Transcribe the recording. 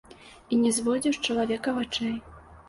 І не зводзіў з чалавека вачэй.